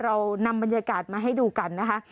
เรานำบรรยากาศมาให้ดูกันนะคะ